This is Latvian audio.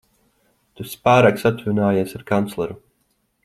Tu esi pārāk satuvinājies ar kancleru.